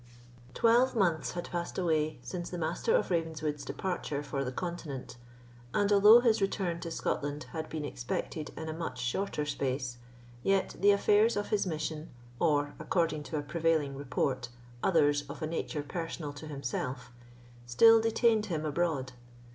Twelve months had passed away since the Master of Ravenswood's departure for the continent, and, although his return to Scotland had been expected in a much shorter space, yet the affairs of his mission, or, according to a prevailing report, others of a nature personal to himself, still detained him abroad.